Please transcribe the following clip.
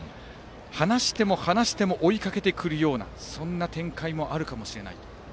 離しても離しても追いかけてくるようなそんな展開もあるかもしれない。